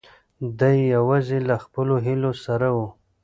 دی یوازې له خپلو هیلو سره و.